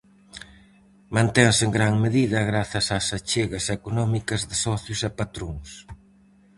Mantense en gran medida grazas ás achegas económicas de socios e patróns.